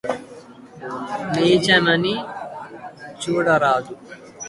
నీచమని చూడరాదు